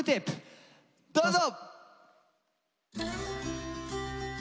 どうぞ。